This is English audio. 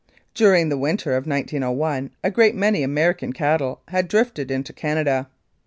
During the winter of 1901 a great many American cattle had drifted into Canada.